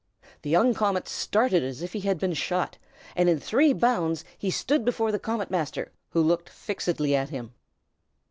The young comet started as if he had been shot, and in three bounds he stood before the Comet Master, who looked fixedly at him.